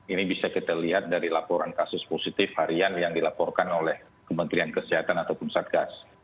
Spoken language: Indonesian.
ini bisa kita lihat dari laporan kasus positif harian yang dilaporkan oleh kementerian kesehatan ataupun satgas